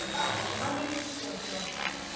豆知識を披露したりとか。